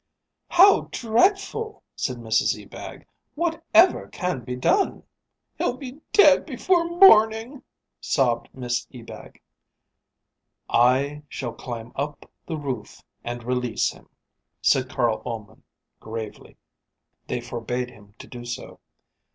"How dreadful!" said Mrs Ebag. "Whatever can be done?" "He'll be dead before morning," sobbed Miss Ebag. "I shall climb up the roof and release him," said Carl Ullman, gravely. They forbade him to do so.